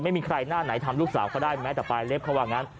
ไม่มีใครหน้าไหนทำลูกสาวเขาได้แม้แต่ปลายเล็บเขาว่างั้น